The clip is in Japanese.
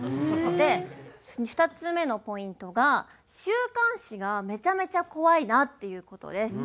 で２つ目のポイントが週刊誌がめちゃめちゃ怖いなっていう事です。